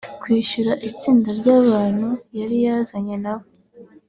kwishyura itsinda ry’abantu yari yazanye na bo